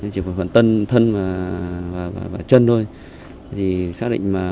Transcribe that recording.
chỉ còn phần thân và chân thôi